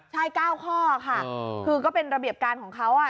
ใช่๙ข้อค่ะคือก็เป็นระเบียบการของเขา